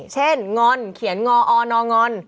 เช่นงอนเขียนงออน่องงอน